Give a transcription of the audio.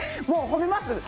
もう褒めます。